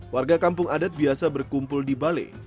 warga kampung adat biasa berkumpul di balai